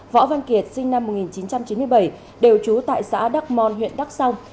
võ văn kiệt sinh năm một nghìn chín trăm chín mươi bảy đều trú tại xã đắc mon huyện đắk song